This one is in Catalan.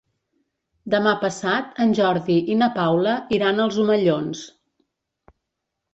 Demà passat en Jordi i na Paula iran als Omellons.